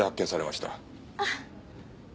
あっ。